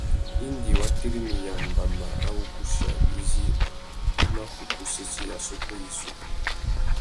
Indi wa tirimiya mbama râ wuguchiya izí i mà kutu sésséya assôtô yissú.